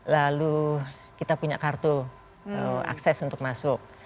lalu kita punya kartu akses untuk masuk